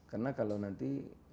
karena kalau nanti